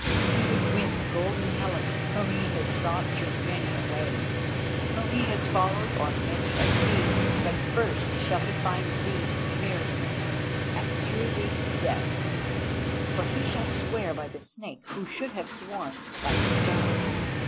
He would win the Golden Helen, whom he has sought through many a way, whom he has followed o'er many a sea, but first shall he find thee, Meriamun, and through thee Death! For he shall swear by the Snake who should have sworn by the Star.